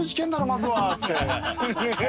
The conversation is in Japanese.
まずはって。